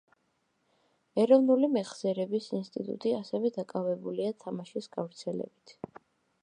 ეროვნული მეხსიერების ინსტიტუტი, ასევე დაკავებულია თამაშის გავრცელებით.